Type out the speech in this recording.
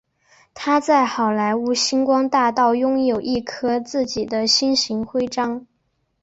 他在好莱坞星光大道拥有一颗自己的星形徽章。